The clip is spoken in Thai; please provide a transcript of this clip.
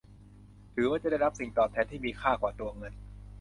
ถือว่าจะได้รับสิ่งตอบแทนที่มีค่ากว่าตัวเงิน